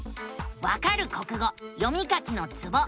「わかる国語読み書きのツボ」。